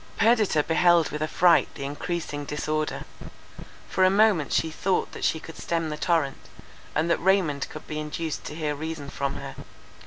Perdita beheld with affright the encreasing disorder. For a moment she thought that she could stem the torrent, and that Raymond could be induced to hear reason from her.